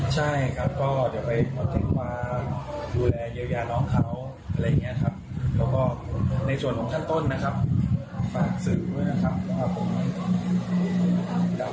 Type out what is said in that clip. ใช่ครับก็เดี๋ยวไปแจ้งความดูแลเยียวยาน้องเขาอะไรอย่างนี้ครับแล้วก็ในส่วนของชั้นต้นนะครับฝากสื่อด้วยนะครับว่าผม